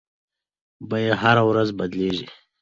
بیې هره ورځ بدلیږي.